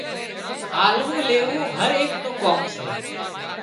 آللون ليوون هر ايڪ نُون ڪام سي